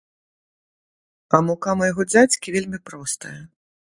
А мука майго дзядзькі вельмі простая.